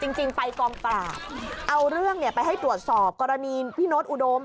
จริงไปกองปราบเอาเรื่องไปให้ตรวจสอบกรณีพี่โน๊ตอุดม